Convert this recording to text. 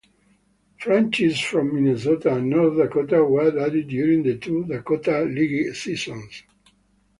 Franchises from Minnesota and North Dakota were added during the two Dakota League seasons.